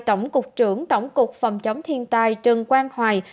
tổng cục trưởng tổng cục phòng chống thiên tai trần quang hoài